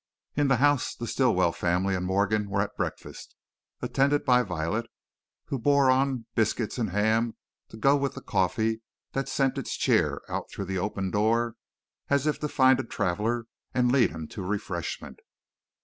In the house the Stilwell family and Morgan were at breakfast, attended by Violet, who bore on biscuits and ham to go with the coffee that sent its cheer out through the open door as if to find a traveler and lead him to refreshment.